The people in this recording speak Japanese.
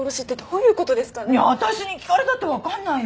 いや私に聞かれたってわかんないよ。